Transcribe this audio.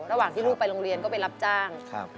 ระหว่างที่ลูกไปโรงเรียนก็ไปรับจ้าง